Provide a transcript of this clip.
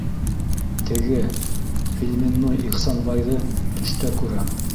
Теге... пельменной Ихсанбайҙы төштә күрәм...